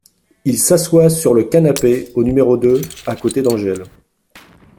Il s’asseoit sur le canapé au n° deux, à côté d’Angèle.